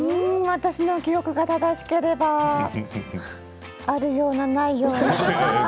私の記憶が正しければあるような、ないような。